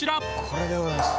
これでございます